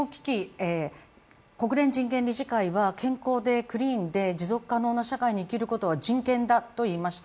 国連人権理事会は健康で、クリーンで、持続可能な社会に生きることは人権だと言いました。